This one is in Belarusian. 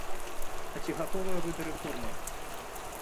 А ці гатовыя вы да рэформаў?